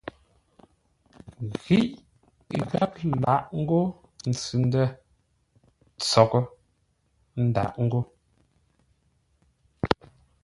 Ghíʼ gháp lâʼ ńgó ntsʉ-ndə̂ tsóʼo ə́ ndâʼ ńgó locken.